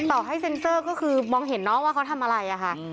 ต่อให้เซ็นเซอร์ก็คือมองเห็นน้องว่าเขาทำอะไรอะค่ะ